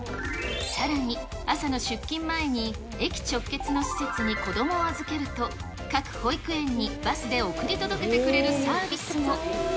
さらに、朝の出勤前に駅直結の施設に子どもを預けると、各保育園にバスで送り届けてくれるサービスも。